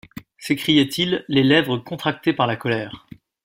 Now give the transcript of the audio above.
s’écria-t-il, les lèvres contractées par la colère